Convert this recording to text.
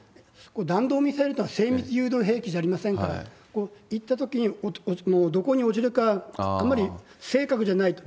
弾道ミサイルとは、精密誘導兵器じゃありませんから、行ったときにどこに落ちるか、あまり正確じゃないと。